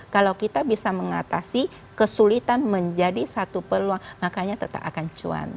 kalau kita bisa mengatasi kesulitan menjadi satu peluang makanya tetap akan cuan